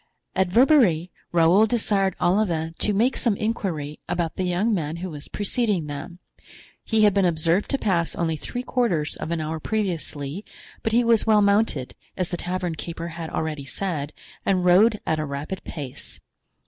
At Verberie, Raoul desired Olivain to make some inquiry about the young man who was preceding them; he had been observed to pass only three quarters of an hour previously, but he was well mounted, as the tavern keeper had already said, and rode at a rapid pace.